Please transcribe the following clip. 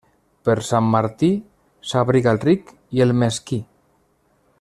Per Sant Martí, s'abriga el ric i el mesquí.